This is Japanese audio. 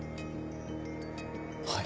はい。